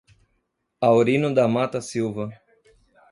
Aurino da Mata Silva